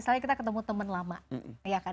misalnya kita ketemu temen lama